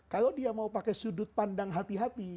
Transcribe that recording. kalau dia mau pakai sudut pandang hati hati